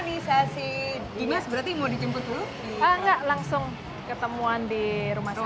dan imunisasi dan imunisasi dimas berarti mau dijemput dulu enggak langsung ketemuan di rumah